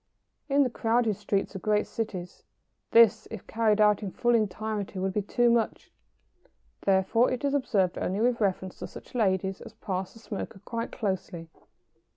In the crowded streets of great cities this, if carried out in full entirety, would be too much. Therefore it is observed only with reference to such ladies as pass the smoker quite closely.